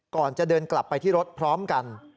ก่อนจะเดินกลับไปที่รถพร้อมกัน